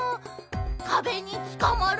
かべにつかまる？